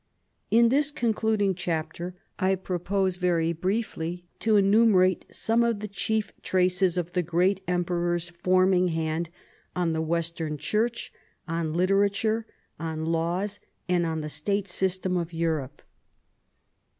In this concluding chapter I propose very briefly to enumerate some of the chief traces of the great emperor's forming hand on the western church, on Literature, on Laws, and on the State system of Europe.